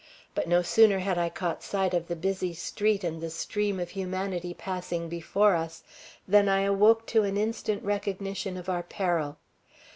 But no sooner had I caught sight of the busy street and the stream of humanity passing before us, than I awoke to an instant recognition of our peril.